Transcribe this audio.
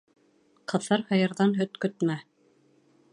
Ҡыҫыр һыйырҙан һөт көтмә.